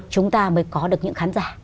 chúng ta mới có được những khán giả